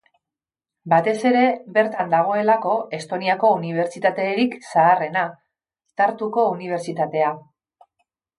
Batez ere, bertan dagoelako Estoniako unibertsitaterik zaharrena, Tartuko Unibertsitatea.